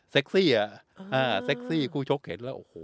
ซี่อ่ะอ่าเซ็กซี่คู่ชกเห็นแล้วโอ้โห